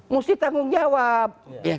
mesti tanggung jawab